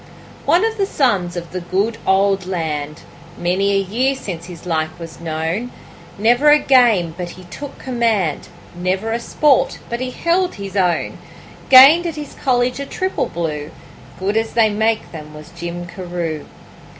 One of the sons of the good old land Many a year since his like was known; Never a game but he took command, Never a sport but he held his own; Gained at his college a triple blue Good as they make them was Jim Carew.